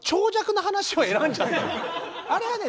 あれはね。